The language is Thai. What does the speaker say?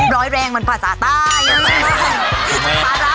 ร้อยแรงมันภาษาใต้